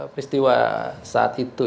peristiwa saat itu